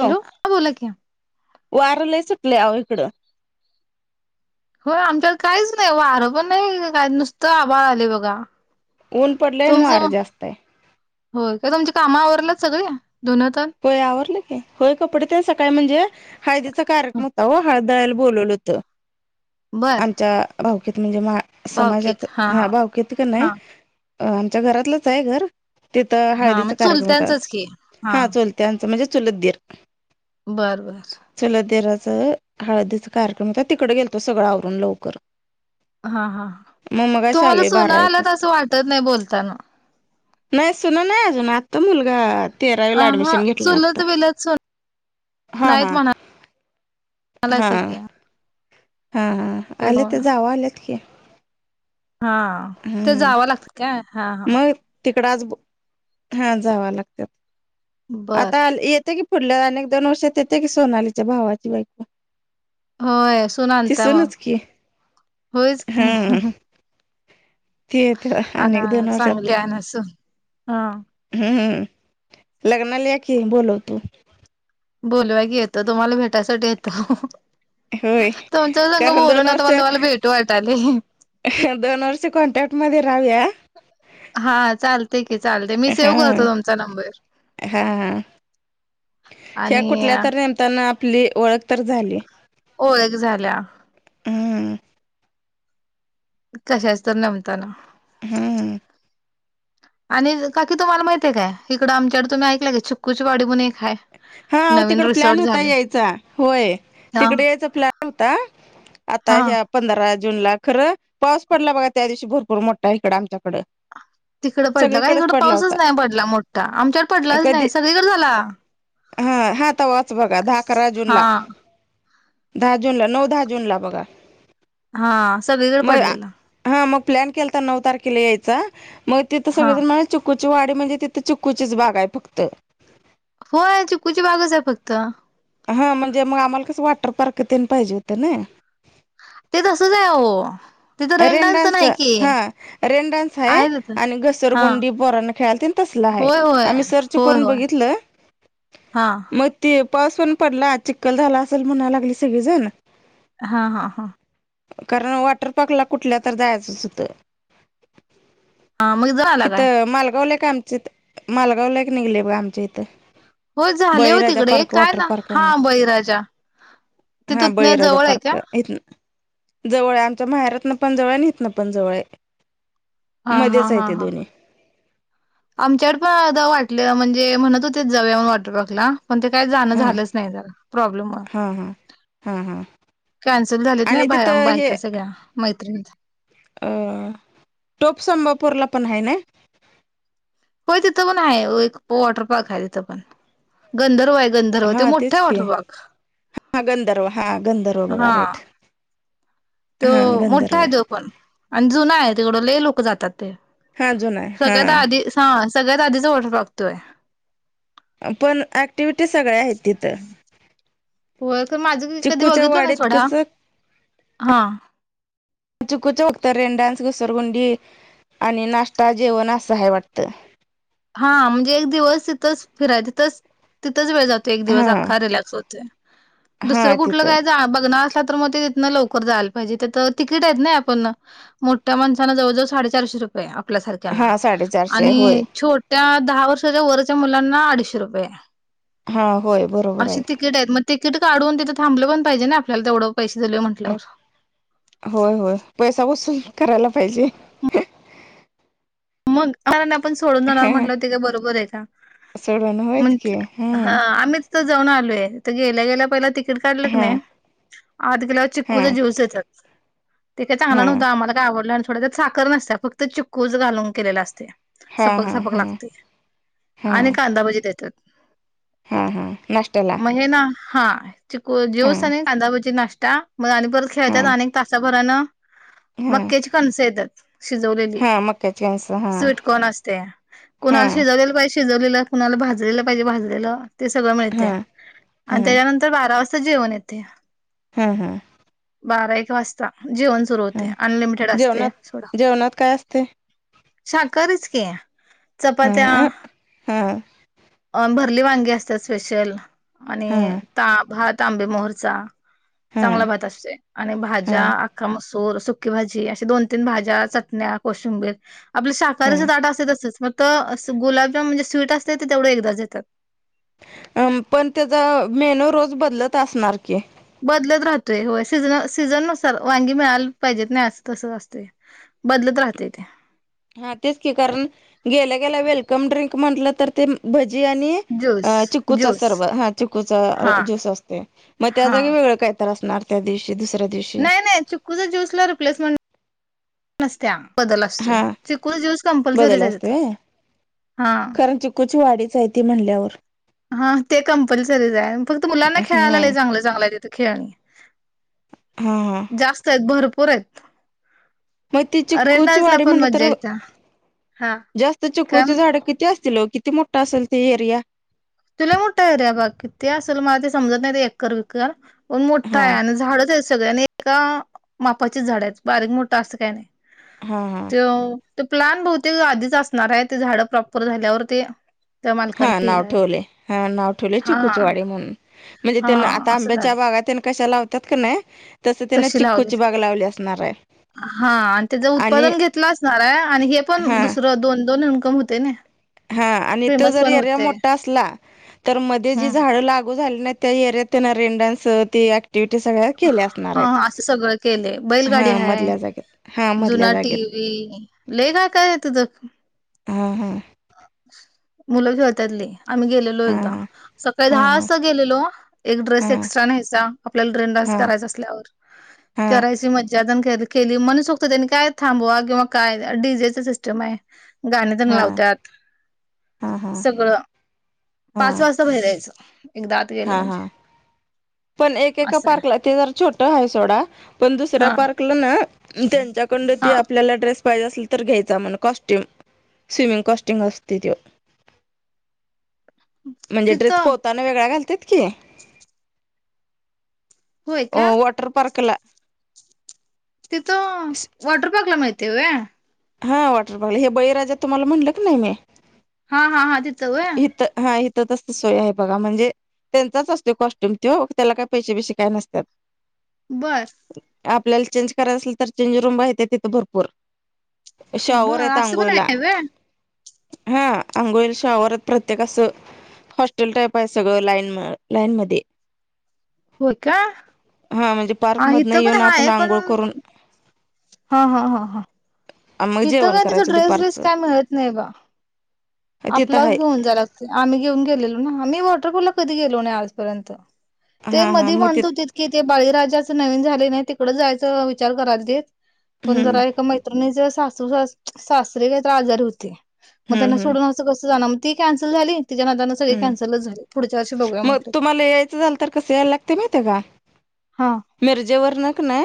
Hello. बोला की. वारं लय सुटलय, आवं इकडं. हो. आमच्या काहीच नाही. वारं पण नाही, काही. नुसतं आभाळ आलय बघा. ऊन पडलंय, न तुमचं वारं जास्तय. होय, का? तुमची कामं आवरल्यात सगळी? धूनं, तेन. होय, आवरलं की. होय, कपडे ते सकाळी म्हणजे, हळदीचा कार्यक्रम होता ओ. हळद दळायला बोलवलं होतं. बर आमच्या भाऊकीत. म्हणजे, मा समाजात. हा, भावकीत कनाय. हा अ आमच्या घरातलंचय, घर. तिथं, हा मग हळदीचा कार्यक्रम होता. चुलत्यांचच की हा, चुलत्यांचं. म्हणजे चुलत दीर. बर, बर. चुलत दीराच, हळदीचा कार्यक्रम होता. तिकडं गेलतो. सगळं आवरून लवकर. हा, हां. मग मगाशी तुम्हाला आलोय सुना बारा एक आल्यात वाजता असं वाटत नाही, बोलताना. नाय सुना नाय अजून आत्ता मुलगा ते अ ह चुलत विलत [unintelligible] हा नाहीत हा म्हणा हा [unintelligible] हा हा आलेत त्यामुळं जावा आलेत की, हा हा ते जावा लागत्यात काय हा हा तिकड आज बो हा जाव लागत्यात बर आता येते की पुुढल्या अनेक दोन वर्षात येते की सोनालीच्या भावाची बायको. होय सून आणत्या मग तिसूनच की होयच हा की, ती येते अन अनेक दोन वर्षात चांगली आना सून हा हम्म लग्नाला या की बोलवतो. बोलवा की येतो तुम्हाला भेटायसाठी येतो. होय तुमच्या संग कारण दोन बोलून आता वर्ष मला तुम्हाला भेटू वाटाले. दोन वर्ष कॉन्टॅक्ट मध्ये राहूया. हा चालतय की चालते मी हा सेव्ह करतो तुमचा नंबर. हा ह्या आणि कुठल्या तर नेमतान आपली ओळख तर झाली. ओळख झाल्या. हम्म कशाच तर नमतान. हम्म आणि काकी तुम्हाला माहितेय काय इकड आमच्याकड तुम्ही ऐकल काय चिकू ची वाडी म्हणून एक हाय. हा आव नवीन तिकड प्लॅन रिसॉर्ट होता झाले यायचा होय हा तिकडे यायचा प्लॅन होता. आता हा ह्या पंधरा जून ला खरं पाऊस पडला बघा त्या दिवशी भरपूर मोठा इकडं आमच्याकडं. तिकडं पडला काय सगळीकडेच इकड पडला पाऊसच नाय होता पडला मोठा आमच्याकड पडलाच कधी नाय सगळीकड झाला. हा हा तवाच बघा दहा अकरा जुून हा ला. दहा जून ला नऊ दहा जून ला बघा. हा सगळीकड मग पडलेला. हा मग प्लॅन केलता नऊ तारखेला यायचा मग तिथं हा सगळेजण [unintelligible] चिकूची वाडी म्हणजे तिथं चिकूचीच बाग आहे फक्त. होय चिकूची बागच आहे फक्त. हा म्हणजे मग आम्हाला कसं वॉटर पार्क तेन पाहिजे होतं ना. ते तसच आहे हो तिथं रेन डान्सच नाही की हा रेन डान्स हाय, आहे तिथं आणि हा घसरगुंडी पोरांना खेळातील तसल आय होय होय आम्ही सर्च होय करून होय बघितलं, हा मग ते पाऊस पण पडला चिक्कल झाला असेल म्हणायला लागली सगळीजण. हा हा हा कारण वॉटर पार्कला कुठल्या तर जायचंच होतं. हा मग झाला हीत काय मालगावला एक आमच्या मालगावला निघले बघ आमच्या इथं. होय झाले हो बळीराजा तिकडे पार्क काय वाॉटर ना पार्क. हा होय बळीराजा ते हा तुतण्या बळीराजा जवळ आहे का पार्क. हितन जवळ आमच्या माहेरातन पण जवळ आहे आणि हितन पण जवळ आहे. हा मध्येच आहे ते दोन्ही. आमच्याकड पण जाऊ वाटलं म्हणजे म्हणत होते जाऊया म्हूणन वॉटरपार्कला, पण ते काय जाणं झालंच नाही जरा प्रॉब्लम मुळे. हा हा कॅन्सल झालीत ना आणि बाया, तिथं हे बायका सगळ्या मैत्रिणीत. अ टोप संबळपूरला पण हाय ना? होय तिथं पण आहे हो एक. वॉटर पार्क आहे तिथं पण. गंधर्व आहे, गंधर्व ते हा मोठा तेच आहे की वॉटर पार्क. हा गंधर्व, हा गंधर्व बघा हा राईट. तो हा गंधर्व मोठा आहे तो पण. आणि जुना आहे. तिकडं लई लोक जातात ते. हा जुना आहे हा सगळ्यात आधी, हा सगळ्यात आधीचा वॉटर पार्क तो आहे. पण ऍक्टिव्हिटी सगळ्या आहेत तिथं. होय तर माझं [unintelligible] कधी चिक्कूच्या बघितलं नाही वाडीत सोडा. कसं हा [unintelligible] रेन डान्स, घसरगुंडी आणि नाश्ता, जेवण अस आहे वाटतं. हा म्हणजे एक दिवस तिथंच फिराय, तिथंच, तिथंच वेळ जातो एक दिवस हा अख्खा रिलॅक्स होत. हा दुसरं कुठल तिथं काय जा बघणार असला तर मग ते न लवकर जायला पाहीजे. तीथ तिकिट आहेत ना पण, मोठ्या माणसाना जवळजवळ साडेचारशे रुपये रुपये आपल्यासारख्यांना हा साडेचारशे आणि होय छोट्या दहा वर्षाच्या वरच्या मुलांना अडीचशे रुपये. हा होय बरोबर अशी आहे. तिकीट आहेत. मग तिकीट काढून तिथं थाबलं पण पाहिजे ना आपल्याला तेवढं पैसे दिले म्हटल्यावर. होय, होय पैसा वसूल करायला पाहिजे. मग [unintelligible] आपण सोडून जाणार म्हटलं ते का बरोबर आहे का? सोडून होयच म्हण की हा हां आमीच जाऊन आलोय. तर गेल्या गेल्या पहिलं तिकीट काढलं की हां नाही, आधी गेल्या हां चिक्कूचा ज्यूस देतात. ते काही चांगल नव्हत. हां आम्हाला काय आवडलं नाय थोड त्यात साखर नसत. फक्त चिक्कूच घालून केलेल असते. हां सपक हां सपक हां लागतय. आणि कांदाभजी देतात. हा हा नाश्त्याला. मग हे ना हा चिकू हां ज्यूस आणि कांदा भजी, नाश्ता मग आणि परत खेळतात हां आणि तासा भरान हां मक्याची कणसं येतात शिजवलेली. त्याचे अस स्वीटकॉर्न असतेया. कुणाला शिजवलेलं पाहिजे शिजवलेलं. कुणाला भाजलेलं पाहिजे भाजलेलं ते सगळ मिळतया. हां आणि हां त्याच्यानंतर बारा वाजता जेवण येतय. ह ह. बारा एक वाजता जेवण सुरू हां होतय, अनलिमिटेड असतय जेवणात सोडा. जेवणात काय असते? शाकाहारीच की. हा चपात्या हा हा अ भरली वांगी असतात स्पेशल. आणि हा ता, भात तांबे मोहरचा चांगला भात असतोय. आणि भाज्या हा अख्खा मसू सूर, सुकी भाजी, अशा दोन तीन भाज्या, चटण्या, कोशिंबीर आपलं शाकाहारीचं ताट असत तसंच. फक्त अस गुलाबजाम म्हणजे स्वीट असते तेवढे एकदाच देतात. अ पण त्याचा मेनू रोज बदलत असणार की? बदलत राहतोय होय. सीझन, सीझन नुसार वांगी मिळाला पाहिजेत नाय असं तसं असतय. बदलत राहतय ते. हा तेच की. कारण गेल्या गेल्या वेलकम ड्रिंक म्हटलं तर ते भजी आणि ज्यूस अ चिकूचा ज्यूस सरब, हा चिकूचा हा आ ज्यूस असते. मग त्या हा जागी वेगळं काय तर असणार त्या दिवशी, दुसऱ्या दिवशी. कुझं ज्यूसला रिप्लेसमेंट नसत्या. बदल असतोय हा चिकून ज्यूस बदल कंपलसरीच आहे तिथ हा कुच वाडीच आहे ती म्हणल्यावर हा ते कंपल्सरीच आहे, फक्त मुलांना हा खेळायला लय चांगलं चांगलं आहे तिथं खेळणी. हा हा जास्त आहेत भरपूर आहेत. मंग ती चिक्कू रेन ची डान्सला वाडी पण म्हणली तर मज्जा येत्या हा जास्त काय म्हण चुकूची झाड किती असतील ओ किती मोठा असेल ते एरिया. तुला मोठा आहे रे बघ किती असल मला ते समजत नाही ते एकर वीकर पण मोठा आहे हां, आणि झाडच आहेस सगळ्यांनी एका मापाची झाड आहेत बारीक मोठ अस काही काय नाही. हा हा तोय तो प्लाॅन बहुतेक आधीच असणार आहे ते झाड प्रॉपर झाल्यावरती हा नाव ठेवले हा नाव ठेवले हा चुकूचीवाडी म्हणून म्हणजे हा त्या आता असं आंब्याच्या झालंय बागात कशा लावतात का नाही? तसं त्याने तशी चिक्कूची लावलीत. बाग लावली असणार आहे. हा आणि त्याच आणि उत्पादन घेतलं असणार आहे, आणि हे पण हां, दुसरं दोन दोन इनकम हो ते ना हा आणि तो फेमस जर पण एरिया होते मोठा असला तर मध्ये जी हम्म झाडं लागू झाली नाहीत त्या एरियात त्यानं रेन डान्स ते ऍक्टिव्हिटी सगळ्या केल्या असणार हा आहेत. असं सगळं केले बैलगाडी हां, हाय मधल्या जागेत. हां, मधल्या जुना टी जागेत. वी लय काय काय आहे तिथ त हा हा मुलं खेळतात लय आम्ही गेलेलो एकदा हां, सकाळी दहा हां, वाजता गेलेलो. एक ड्रेस हां, एक्स्ट्रा न्यायचा आपल्याला ड्रेन डान्स हां, करायचा असल्यावर. हां, करायची मज्जा दन केली मनसोक्त त्यांनी काय थांबवा किंवा काय नाही डी जेच सिस्टम आहे गाणी दन हां, हां, लावत्यात. हां, हां, हां, सगळं पाच वाजता बाहेर यायचं. एकदा आत गेलं हा हा म्हणजे पण एक एका असं आहे पार्कला ते जर छोट आहे सोडा पण दुसऱ्या हा पार्कला ना त्यांच्या कडन हा ते आपल्याला ड्रेस पाहिजे असेल तर घ्यायचा म्हण कॉस्ट्यूम स्विमिंग कॉस्ट्यूम असतोय तो. म्हणजे ड्रेस तिथं पोहताना वेगळा घालत्यात की. होय ओ का वाॉटर पार्कला. तिथं वॉटर पार्कला मिळतंय वय? हा वॉटर पार्कला हे बळीराजा तुम्हाला म्हणलं की नाही मी हा हा हा तिथं व्हय इथ हा तर तस सोय आहे बघा म्हणजे त्यांचाच असतो कॉस्ट्यूम तो त्याला काही पैसे बैसे काय नसत्यात. बर आपल्याला चेंज करायच असेल तर चेंज रूम आहे तिथं भरपूर. शॉवर बर आहेत असं पण अंघोळला. आहे व्हय हा अंघोळीला शॉवर आहेत प्रत्येक असं हॉस्टेल टाईप आहे सगळं लाईन म लाईन मध्ये. हो का? हा म्हणजे पार्क मधन इथं येऊन पण आपण हाय पण आंघोळ करून हा हा हा मग हथं जेवण काय तस करायचं ड्रेस बीस दुपारचं काय मिळत नाही बा. तिथं आपलाच आहे घेऊन जाय लागते. आम्ही घेऊन गेलेलो ना, आम्ही वॉटरपूल ला कधी गेलो नाही आजपर्यंत. ते हा हा मधी मग ते म्हणत होतीत की, ते बळीराजाच नवीन झालय कणी, तिकड जायच विचार करालतीत. पण हम्म जरा एका मैत्रिणीचे सासू, सास, सासरे काय तर आजारी होते. मग त्यांना हम्म हम्म सोडून अस कस जानार. मग ती कॅनस्ल झाली. तीच्या नंतरन सगळे कॅन्सलच झाले. पुढच्या वर्षी बघूया म्हटलीत. मला यायच झाल तर तर कस यायला लागतय माहितय का हा. मिरजेवरन कणी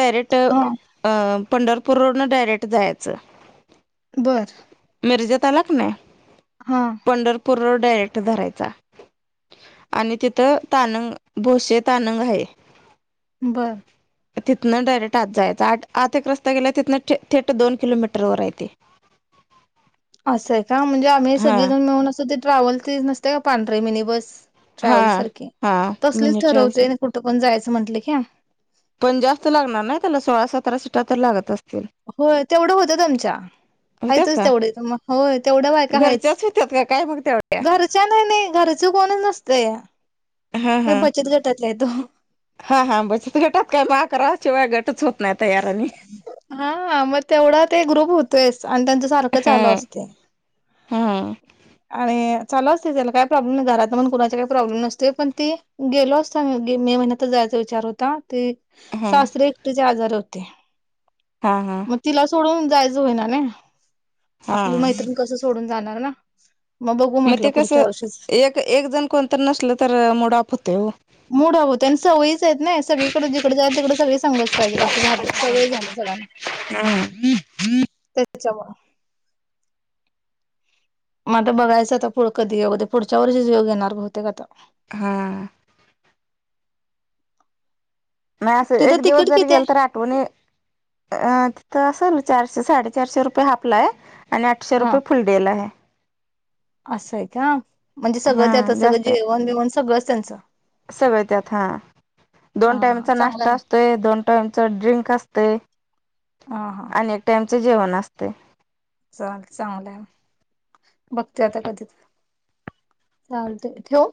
डायरेक्ट हा अं, पंढरपूर रोडनं डायरेक्ट जायचं. बरं. मिरजेत आला कनी हां. पंढरपूर रोड डायरेक्ट धरायचा. आणि तिथं ताणंग, भोसे ताणंग आहे. बरं. तिथन डायरेक्ट आत जायचं. आत आत एक रस्ता गेलाय, तिथन थेट दोन किलोमीटर आत हाय ते. असंय का म्हणजे आम्ही हा सगळीजण मिळून असं ते ट्रॅव्हल ते नसतय का पांढर मिनी बस. हा ट्रॅव्हल सारखी, हा तसलच मिनी ट्रायल्स ठरवतोय असतो कुठं पण जायचं म्हटलं की. पण जास्त लागणार नाही त्याला सोळा, सतरा सीटा तर लागत असतील. हो तेवढं होतय त्यांच्या. होत्यात आहेतच का तेवढ तर मग होय, तेवढं बायका आहेत. ते काय म्हणत्यात. घरच्या नाही, नाही घरच कोणच नसतया. हा हे हा बचत गटातला आहेत हो. हा हा बचत गटात काय, मग अकरा शिवाय गटच होत नाही तयार आणि. हा मग तेवढा ते ग्रुप होतोयच आणि जस सारख हा चालू असतय. हा आणि चालु असतय, त्याला काही प्रॉब्लेम नाही. घरातण पण, कुणाच्या काही प्रॉब्लेम नसतोय. पण ती गेलो आसतो आम्ही. मे महिन्यातच जायचा विचार होता. ते हा सासरे एकटीचे आजारी होते. हा, हा. मग तिला सोडून जायचं होईना नाही. हा आपली मैत्रिणी कसं सोडून जाणार ना. बघू मग म्हटलं ते पुढच्या कसं वर्षीच एक, एक जण कोण तर नसल तर मुड ऑफ होतय हो. मुड ऑफ होतय नी, सवयीच आहेत नही सगळीकडे जिकडे जाईल, तिकड सगळे संगच पाहिजे असं झालंय. सवय झाल्या सगळ्यांना, त्याच्यामुळ मग आता बघायचं. आता पुढ कधी योग येतोय, पुढच्या वर्षीच योग येणार बहुतेक आता. हां. नाही असं तिथं एक दिवस तिकीट जरी किती गेल आहे ना पण अ तिथं असेल चारशे साडेचारशे रुपये हापला हाय. आणि आठशे हा रुपये फुल डेला आहे. असं आहे का म्हणजे सगळं हा त्यात सगळं जेवण बिवण सगळंच त्यांचं. सगळं त्यात, हा. दोन हा हा टाइमचा चांगलं नाष्टा आहे असतोय. दोन टाइमच ड्रिंक असतंय. हां हां. आणि एक टाइमच जेवण असतंय. चाल चांगलंय मग, बघते आता कधी तर. चालतय ठेवु?